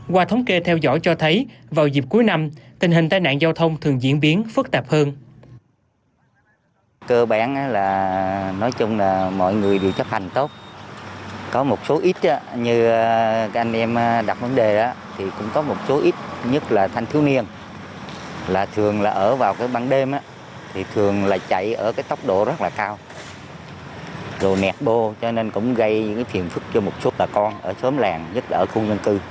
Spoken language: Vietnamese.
qua thống kê theo dõi cho thấy vào dịp cuối năm tình hình tai nạn giao thông thường diễn biến phức tạp hơn